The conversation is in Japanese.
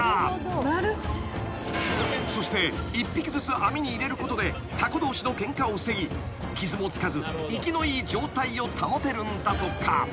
［そして１匹ずつ網に入れることでタコ同士のケンカを防ぎ傷もつかず生きのいい状態を保てるんだとか］